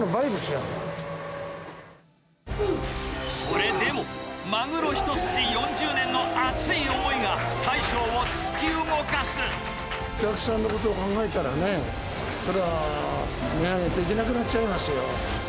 それでもマグロ一筋４０年の熱い思いが、お客さんのことを考えたらね、それは値上げできなくなっちゃいますよ。